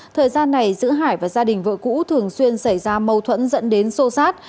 thời gian này giữa hải và gia đình vợ cũ thường xuyên xảy ra mâu thuẫn dẫn đến sô sát